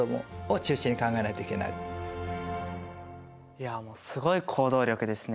いやすごい行動力ですね。